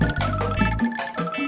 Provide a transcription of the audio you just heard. ujang sama cecep